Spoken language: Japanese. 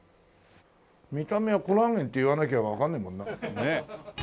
見た目はコラーゲンって言わなきゃわかんないもんな。